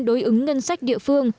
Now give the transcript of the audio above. đối ứng ngân sách địa phương